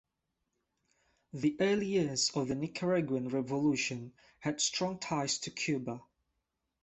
The early years of the Nicaraguan revolution had strong ties to Cuba.